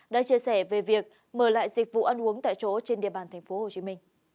đã chia sẻ về việc mời lại dịch vụ ăn uống tại chỗ trên địa bàn tp hcm